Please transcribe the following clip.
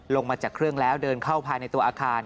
ลงมาจากเครื่องแล้วเดินเข้าภายในตัวอาคาร